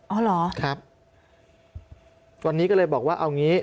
อ๋อเหรอครับตอนนี้ก็เลยบอกว่าเอางี้